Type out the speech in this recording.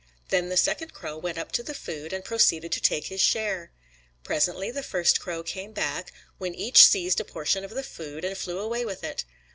Then the second crow went up to the food, and proceeded to take his share. Presently the first crow came back, when each seized a portion of the food and flew away with it.